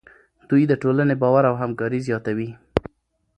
دوی د ټولنې باور او همکاري زیاتوي.